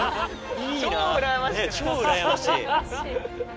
ね超うらやましい。